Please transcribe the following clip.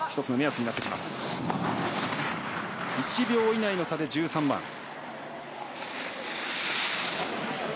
１秒以内の差で１３番。